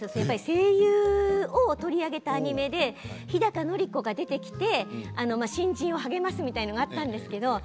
声優を取り上げるアニメで日高のり子が出てくるアニメで新人を励ますみたいなものがあったんですけれど